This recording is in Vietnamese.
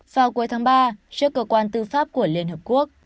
vào cuối tháng ba trước cơ quan tư pháp của liên hợp quốc